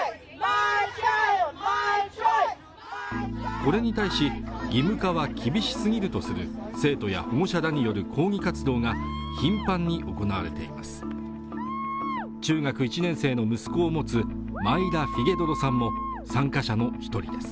これに対し義務化は厳しすぎるとする生徒や保護者らによる抗議活動が頻繁に行われています